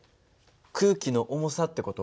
空気の重さって事？